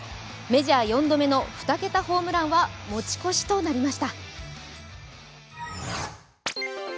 メジャー４度目の２桁ホームランは持ち越しとなりました。